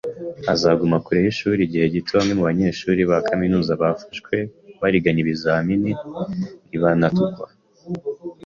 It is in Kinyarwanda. azaguma kure yishuri igihe gito Bamwe mubanyeshuri ba kaminuza bafashwe bariganya ibizamini ntibanatukwa